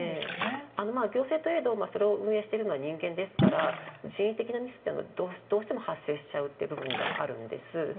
行政といえど、それを運営しているのは人間ですから人為的なミスはどうしても発生しちゃうという部分があるんです。